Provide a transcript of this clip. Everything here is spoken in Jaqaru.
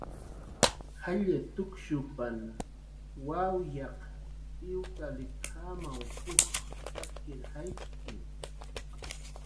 "Jall tukshupan wawyaq iwkaliptjamaw p""uj sakir jayt'ki."